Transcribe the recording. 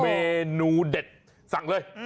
เมนูเด็ดสั่งเลย